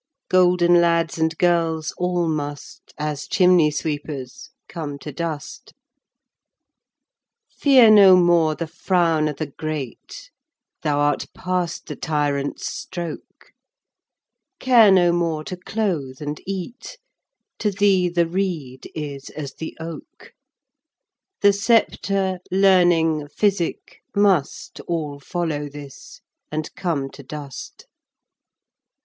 Golden Lads, and Girles all must, As Chimney Sweepers come to dust Arui. Feare no more the frowne o'th' Great, Thou art past the Tirants stroake, Care no more to cloath and eate, To thee the Reede is as the Oake: The Scepter, Learning, Physicke must, All follow this and come to dust Guid.